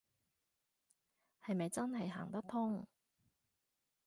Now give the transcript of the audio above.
係咪真係行得通